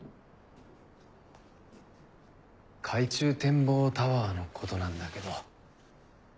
海中展望タワーのことなんだけど。